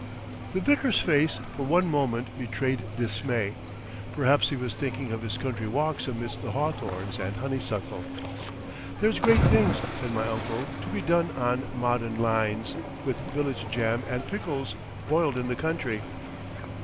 The vicar's face for one moment betrayed dismay. Perhaps he was thinking of his country walks amids the hawthorns and honeysuckle. "There's great things," said my uncle, "to be done on Mod'un lines with Village Jam and Pickles—boiled in the country."